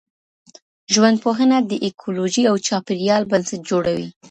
ژوندپوهنه د ایکولوژي او چاپیریال بنسټ جوړوي.